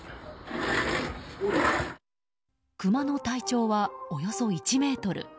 クマの体長はおよそ１ｍ。